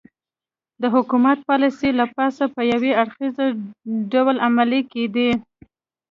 د حکومت پالیسۍ له پاسه په یو اړخیز ډول عملي کېدې